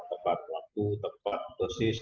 tepat waktu tepat dosis